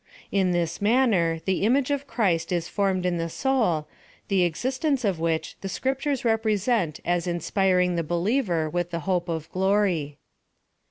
In this manner the image of Christ is formed in the soul, the exis tence of which the scriptures represent as inspiring the believer with the hope of glory.